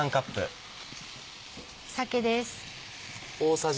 酒です。